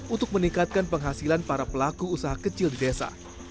untuk meningkatkan penghasilan para pelaku usaha kecil di desa